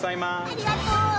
ありがとう。